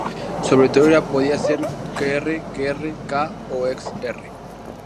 Su abreviatura podía ser Kr, kr, K o Xr.